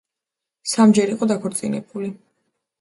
სამჯერ იყო დაქორწინებული.